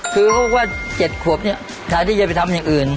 คือเขาบอกว่าเจ็ดควบเนี่ยถ้าที่จะไปทำอย่างอื่น